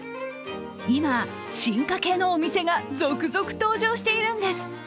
今、進化形のお店が続々登場しているんです。